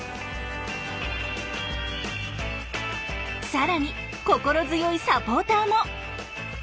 更に心強いサポーターも。